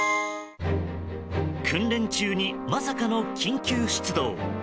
訓練中に、まさかの緊急出動。